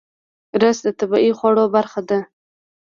رس د طبیعي خواړو برخه ده